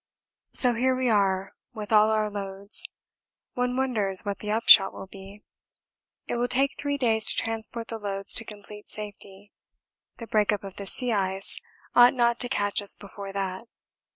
So here we are with all our loads. One wonders what the upshot will be. It will take three days to transport the loads to complete safety; the break up of the sea ice ought not to catch us before that.